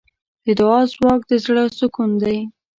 د دعا ځواک د زړۀ سکون دی.